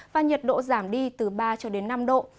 và nhiệt độ giảm đi từ ba cho đến năm độ